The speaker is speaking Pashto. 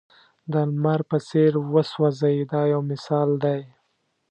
د لمر په څېر وسوځئ دا یو مثال دی.